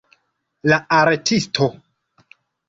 La artisto